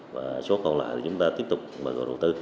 và số còn lại thì chúng ta tiếp tục bày gọi đầu tư